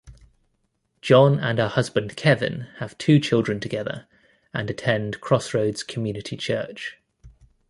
John and her husband Kevin have two children together and attend Crossroads Community Church.